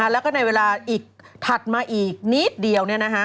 แล้วก็ในเวลาอีกถัดมาอีกนิดเดียว